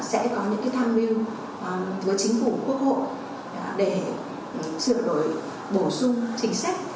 sẽ có những tham mưu với chính phủ quốc hội để sửa đổi bổ sung chính sách